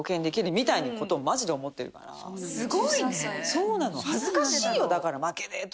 そうなの。